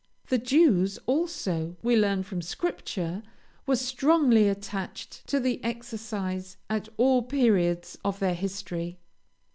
The Jews, also, we learn from Scripture, were strongly attached to the exercise at all periods of their history.